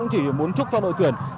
chỉ muốn chúc cho đội tuyển